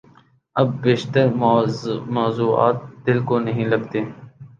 اب بیشتر موضوعات دل کو نہیں لگتے۔